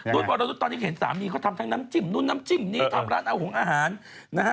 วรนุษย์ตอนนี้เห็นสามีเขาทำทั้งน้ำจิ้มนู่นน้ำจิ้มนี่ทำร้านเอาหงอาหารนะฮะ